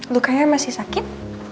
lukanya masih sakit